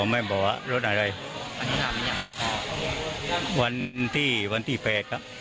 ไม่กองกล่องแรงแล้วนะครับ